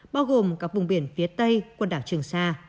bao gồm cả vùng biển phía tây quần đảo trường sa